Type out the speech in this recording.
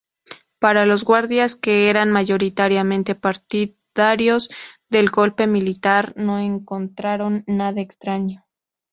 Pero los guardias, que eran mayoritariamente partidarios del golpe militar, no encontraron nada extraño.